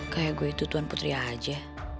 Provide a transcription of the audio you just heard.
kayak gue itu tuan putri aja